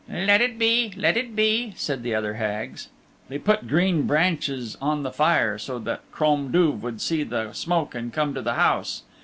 "Let it be, let it be," said the other Hags. They put green branches on the fire so that Crom Duv would see the smoke and come to the house.